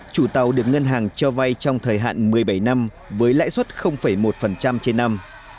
chủ tàu được ngân hàng cho vay trong thời hạn một mươi bảy năm với lãi suất một trên năm